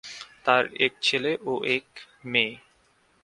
তার এক ছেলে ও এক মেয়ে।